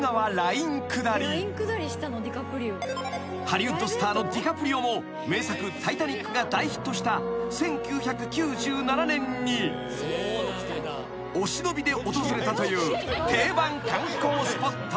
［ハリウッドスターのディカプリオも名作『タイタニック』が大ヒットした１９９７年にお忍びで訪れたという定番観光スポット］